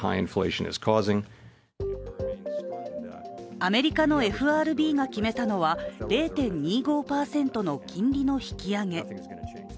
アメリカのＦＲＢが決めたのは０．２５％の金利の引き上げ。